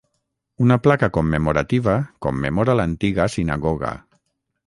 Una placa commemorativa commemora l'antiga sinagoga.